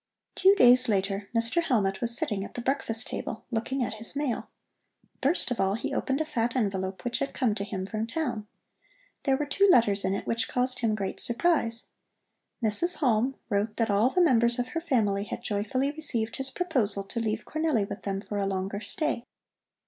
Two days later Mr. Hellmut was sitting at the breakfast table, looking at his mail. First of all he opened a fat envelope which had come to him from town. There were two letters in it which caused him great surprise. Mrs. Halm wrote that all the members of her family had joyfully received his proposal to leave Cornelli with them for a longer stay.